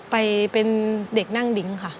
ไปเป็นเด็กนั่งดิ้งค่ะ